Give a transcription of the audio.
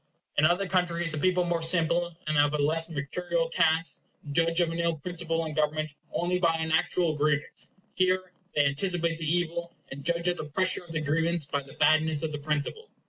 In other countries, the people, more simple, and of a less mercurial cast, judge of an ill principle in government only by an actual grievance; here they anticipate the evil, and judge of the pressure of the grievance by the badness of the principle.